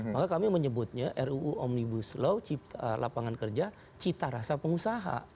maka kami menyebutnya ruu omnibus law lapangan kerja cita rasa pengusaha